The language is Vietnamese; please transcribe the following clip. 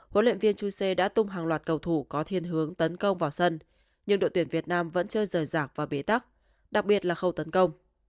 huấn luyện viên chuse đã tung hàng loạt cầu thủ có thiên hướng tấn công vào sân nhưng đội tuyển việt nam vẫn chơi rời rạc và bế tắc đặc biệt là khâu tấn công